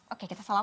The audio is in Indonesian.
oke kita salam